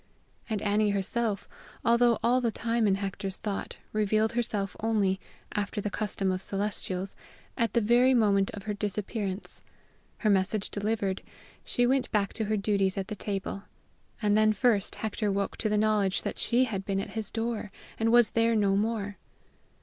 And Annie herself, although all the time in Hector's thought, revealed herself only, after the custom of celestials, at the very moment of her disappearance; her message delivered, she went back to her duties at the table; and then first Hector woke to the knowledge that she had been at his door, and was there no more.